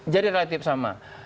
jadi relatif sama